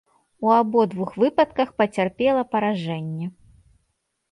У абодвух выпадках пацярпела паражэнне.